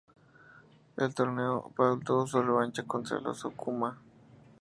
En el torneo, Paul tuvo su revancha contra el oso Kuma.